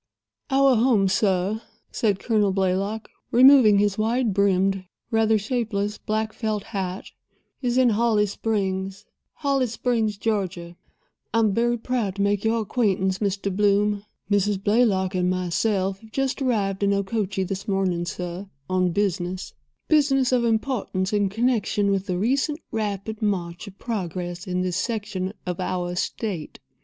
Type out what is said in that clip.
"Our home, sir," said Colonel Blaylock, removing his wide brimmed, rather shapeless black felt hat, "is in Holly Springs—Holly Springs, Georgia. I am very proud to make your acquaintance, Mr. Bloom. Mrs. Blaylock and myself have just arrived in Okochee this morning, sir, on business—business of importance in connection with the recent rapid march of progress in this section of our state."